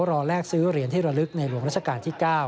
แลกซื้อเหรียญที่ระลึกในหลวงราชการที่๙